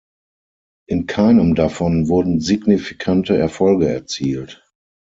In keinem davon wurden signifikante Erfolge erzielt.